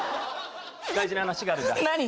大事な話があるんだ。